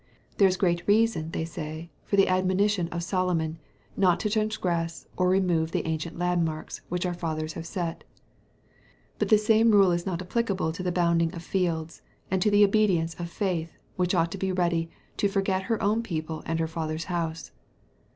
There is great reason, they say, for the admonition of Solomon, "not to transgress or remove the ancient landmarks, which our fathers have set." But the same rule is not applicable to the bounding of fields, and to the obedience of faith, which ought to be ready to "forget her own people and her father's house."